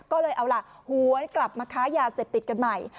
ก็เลยเอาล่ะหวนกลับมาค้ายาเสพติดกันใหม่